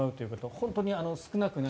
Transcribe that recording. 本当に少なくない。